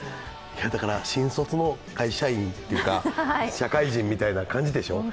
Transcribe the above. だから新卒の会社員というか社会人みたいな感じでしょ？